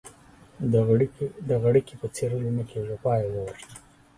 د غړکي په څيرلو نه کېږي ، غوا يې ووژنه.